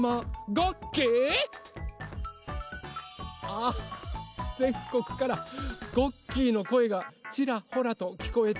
あぜんこくからごっきーのこえがちらほらときこえてまいりました。